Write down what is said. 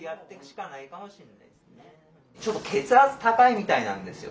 ちょっと血圧高いみたいなんですよ